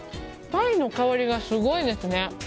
パイの香りがすごいですね